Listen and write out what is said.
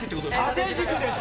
縦軸です。